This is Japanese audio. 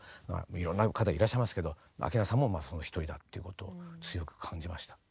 いろんな方いらっしゃいますけど明菜さんもその一人だっていうことを強く感じました。